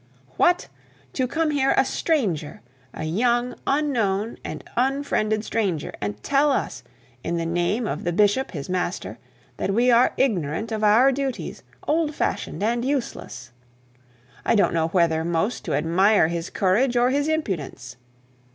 What! To come here a stranger, a young, unknown, and unfriended stranger, and tell us, in the name of the bishop, his master, that we are ignorant of our duties, old fashioned, and useless! I don't know whether to most admire his courage or his impudence!